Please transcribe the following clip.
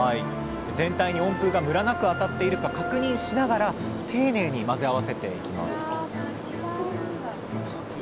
全体に温風がムラなく当たっているか確認しながら丁寧に混ぜ合わせていきます